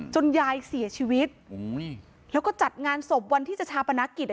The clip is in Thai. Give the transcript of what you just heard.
ยายเสียชีวิตแล้วก็จัดงานศพวันที่จะชาปนกิจอ่ะ